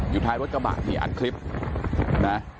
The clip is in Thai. อยู่ท้ายวดกระบะนี่อัดคลิปนะ